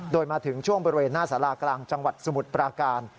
โดยมาถึงช่วงบริเวณหน้าสารากลางจังหวัดสมุทรปราการ